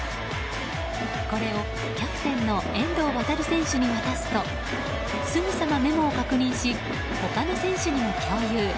これを、キャプテンの遠藤航選手に渡すとすぐさまメモを確認し他の選手にも共有。